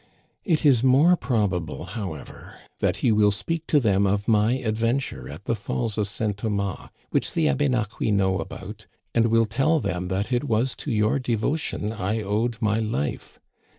It is more probable, however, that he will speak to them of my adventure at the falls of St. Thomas, which the Abénaquis know about, and will tell them that it was to your devotion I owed my life.